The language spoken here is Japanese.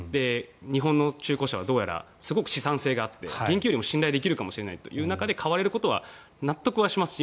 日本の中古車はどうやらすごく資産性があって現金より信頼できるかもしれないところで買われるというのは納得はします。